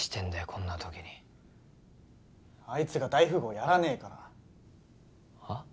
こんな時にあいつが大富豪やらねえからはっ？